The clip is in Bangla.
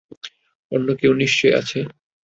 অন্য কেউ নিশ্চয় আছে।